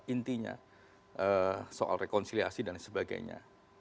intinya soal rekonsiliasi dan sebagainya